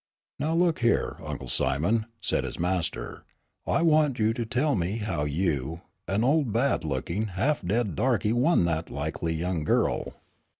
"Now look here, Uncle Simon," said his master, "I want you to tell me how you, an old, bad looking, half dead darky won that likely young girl."